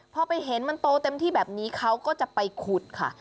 พอไปเห็นมันโตเต็มที่แบบนี้เขาก็จะไปขุดค่ะ